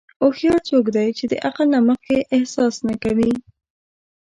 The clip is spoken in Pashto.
هوښیار څوک دی چې د عقل نه مخکې احساس نه کوي.